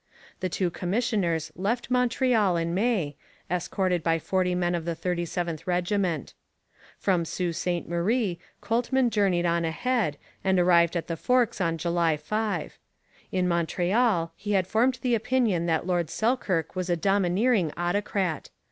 The two commissioners left Montreal in May, escorted by forty men of the 37th regiment. From Sault Ste Marie, Coltman journeyed on ahead, and arrived at 'the Forks' on July 5. In Montreal he had formed the opinion that Lord Selkirk was a domineering autocrat.